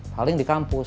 paling di kampus